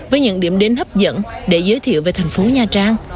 với những điểm đến hấp dẫn để giới thiệu về thành phố nha trang